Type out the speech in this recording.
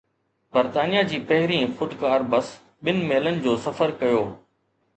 برطانيه جي پهرين خودڪار بس ٻن ميلن جو سفر ڪيو